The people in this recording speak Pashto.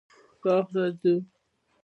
باغ ته ځو